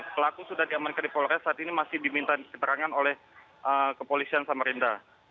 pelaku sudah diamankan di polres saat ini masih diminta keterangan oleh kepolisian samarinda